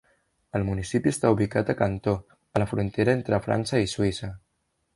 El municipi està ubicat a Cantó, a la frontera entre França i Suïssa.